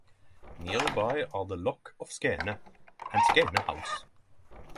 Nearby are the Loch of Skene and Skene House.